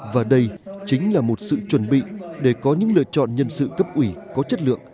và đây chính là một sự chuẩn bị để có những lựa chọn nhân sự cấp ủy có chất lượng